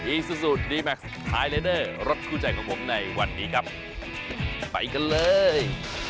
อีซูซูดีแม็กซ์ไฮเลเดอร์รถคู่ใจของผมในวันนี้ครับไปกันเลย